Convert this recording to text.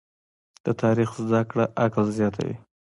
د تاریخ زده کړه عقل زیاتوي.